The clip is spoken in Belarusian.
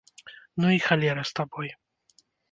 Ну і халера з табой!